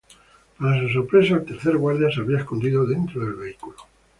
Para su sorpresa, el tercer guardia se había escondido dentro del vehículo.